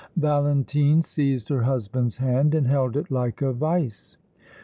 Valentine seized her husband's hand and held it like a vise.